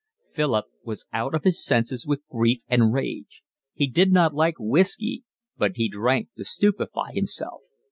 Philip was out of his senses with grief and rage. He did not like whiskey, but he drank to stupefy himself.